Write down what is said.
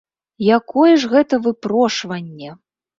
Якое ж гэта выпрошванне!